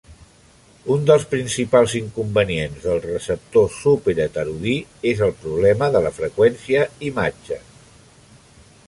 Un dels principals inconvenients del receptor superheterodí és el problema de la "freqüència imatge".